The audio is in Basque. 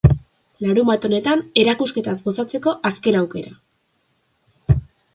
Larunbat honetan, erakusketaz gozatzeko azken aukera.